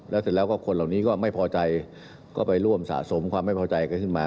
แล้วเสร็จแล้วก็คนเหล่านี้ก็ไม่พอใจก็ไปร่วมสะสมความไม่พอใจกันขึ้นมา